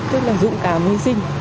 tức là dũng cảm hy sinh